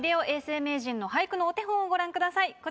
永世名人の俳句のお手本をご覧ください。